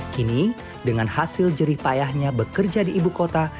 kini dengan hasil jerih payahnya bekerja di ibu kota